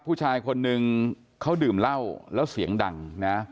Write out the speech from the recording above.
ผู้ชายคนนึงเขาดื่มเหล้าแล้วเสียงดังนะ